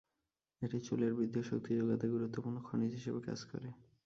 এটি চুলের বৃদ্ধি ও শক্তি জোগাতে গুরুত্বপূর্ণ খনিজ হিসেবে কাজ করে।